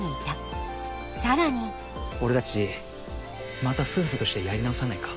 俺たちまた夫婦としてやり直さないか？